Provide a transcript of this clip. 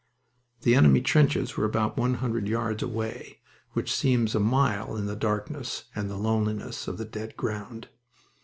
The enemy trenches were about one hundred yards away, which seems a mile in the darkness and the loneliness of the dead ground.